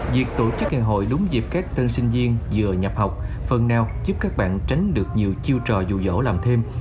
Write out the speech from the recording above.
việc tổ chức ngày hội đúng dịp các tân sinh viên vừa nhập học phần nào giúp các bạn tránh được nhiều chiêu trò dù dỗ làm thêm